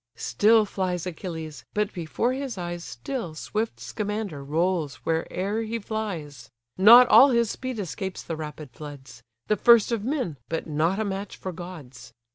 Still flies Achilles, but before his eyes Still swift Scamander rolls where'er he flies: Not all his speed escapes the rapid floods; The first of men, but not a match for gods.